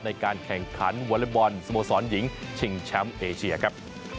ในการแข่งขันวอเล็กบอลสโมสรหญิงชิงแชมป์เอเชียครับ